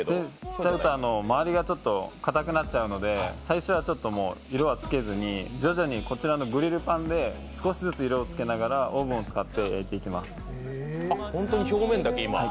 しちゃうと、周りがちょっとかたくなっちゃうので最初は色はつけずに、徐々にこちらのグリルパンで少しずつ色をつけながらオーブンを使って焼いていきます。